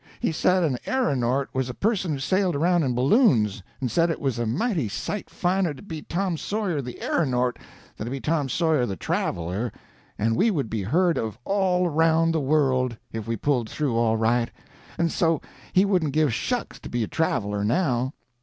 He said an erronort was a person who sailed around in balloons; and said it was a mighty sight finer to be Tom Sawyer the Erronort than to be Tom Sawyer the Traveler, and we would be heard of all round the world, if we pulled through all right, and so he wouldn't give shucks to be a traveler now.